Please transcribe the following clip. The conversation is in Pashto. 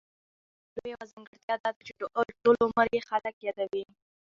د مېلو یوه ځانګړتیا دا ده، چي ټول عمر ئې خلک يادوي.